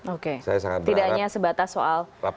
oke tidak hanya sebatas soal